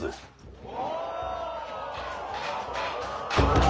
・お！